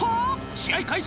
試合開始